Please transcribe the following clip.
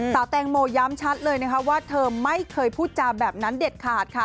สาวแตงโมย้ำชัดเลยนะคะว่าเธอไม่เคยพูดจาแบบนั้นเด็ดขาดค่ะ